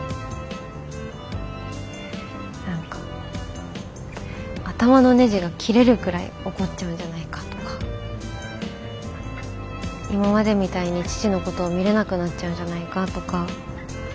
何か頭のネジが切れるくらい怒っちゃうんじゃないかとか今までみたいに父のことを見れなくなっちゃうんじゃないかとか。